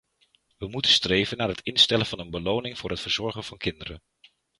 We moeten streven naar het instellen van een beloning voor het verzorgen van kinderen.